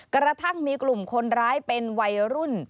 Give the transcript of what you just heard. กระทั่งมีกลุ่มคนร้ายเป็นวัยรุ่น